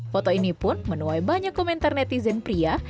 foto ini pun menuai banyak komentar netizen pria